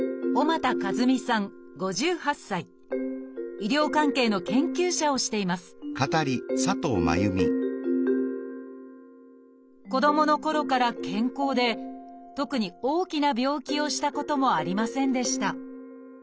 医療関係の研究者をしています子どものころから健康で特に大きな病気をしたこともありませんでした。